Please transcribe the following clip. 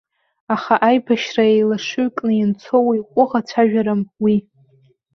Аха аибашьра еилашыҩкны ианцо уи ҟәыӷа цәажәарам, уи.